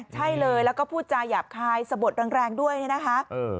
ใช่เลยแล้วก็พูดจาหยาบคายสะบดแรงด้วยเนี่ยนะคะ